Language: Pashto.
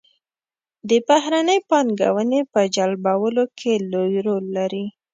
د بهرنۍ پانګونې په جلبولو کې لوی رول لري.